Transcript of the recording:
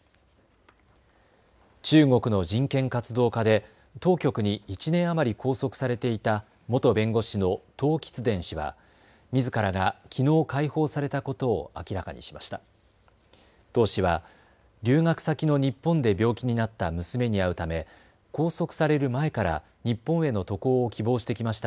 中国の人権活動家で当局に１年余り拘束されていた元弁護士の唐吉田氏はみずからがきのう解放されたことを明らかにしました。